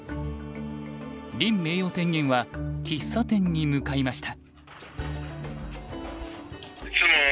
林名誉天元は喫茶店に向かいました。